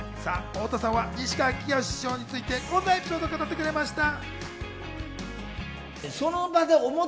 太田さんは西川きよし師匠について、こんなエピソードを語ってくれました。